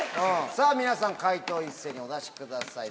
さぁ皆さん解答一斉にお出しください。